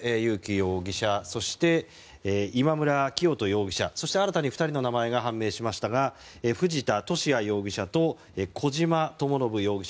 容疑者、今村磨人容疑者そして、新たに２人の名前が判明しましたが藤田聖也容疑者と小島智信容疑者